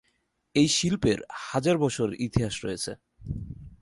এ শিল্পের হাজার বছরের ইতিহাস রয়েছে।